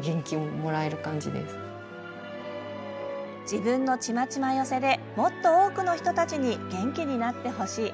自分の、ちまちま寄せでもっと多くの人たちに元気になってほしい。